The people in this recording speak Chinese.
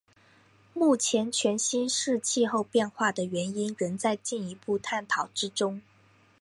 目前全新世气候变化的原因仍在进一步探讨之中。